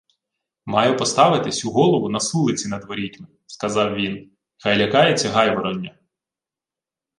— Маю поставити сю голову на сулиці над ворітьми, — сказав він. — Хай лякається гайвороння.